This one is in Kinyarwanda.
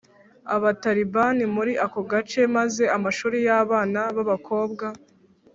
Abatalibani muri ako gace maze amashuri y abana b abakobwa